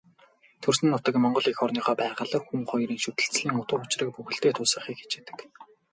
Төрсөн нутаг, Монгол эх орныхоо байгаль, хүн хоёрын шүтэлцээний утга учрыг бүтээлдээ тусгахыг хичээдэг.